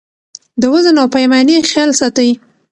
د وزن او پیمانې خیال ساتئ.